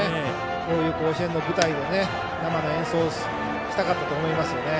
こういう甲子園の舞台で生の演奏をしたかったと思います。